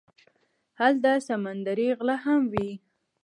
هلته سمندري غله هم وي.